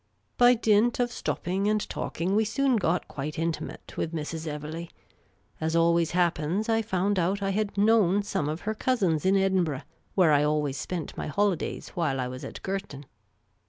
By dint of stopping and talking, we soon got quite inti mate with Mrs. Evelegh. As always happens, I found out I had known some of her cousins in Edinburgh, where I always spent my holidays while I was at Girton.